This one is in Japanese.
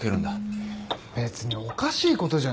別におかしいことじゃねえだろ。